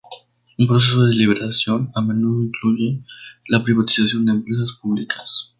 Un proceso de liberalización a menudo incluye la privatización de empresas públicas.